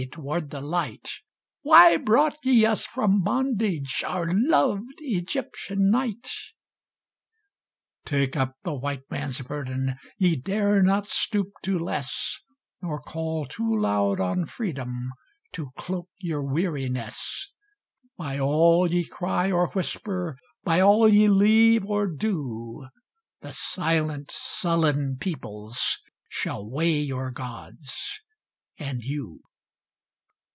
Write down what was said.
toward the light: "Why brought ye us from bondage, Our loved Egyptian night?" Take up the White Man's burden Ye dare not stoop to less Nor call too loud on Freedom To cloak your weariness; By all ye cry or whisper, By all ye leave or do, The silent, sullen peoples Shall weigh your Gods and you.